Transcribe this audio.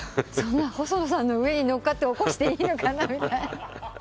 細野さんの上に乗っかっておこしていいのかなみたいな。